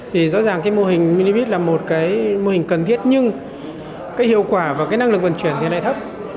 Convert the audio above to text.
thì rõ ràng cái mô hình milbit là một cái mô hình cần thiết nhưng cái hiệu quả và cái năng lực vận chuyển thì lại thấp